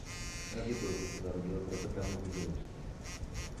Pravděpodobně se narodil v Rotterdamu v Nizozemsku.